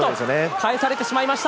返されてしまいました。